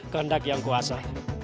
kehendak yang kuasa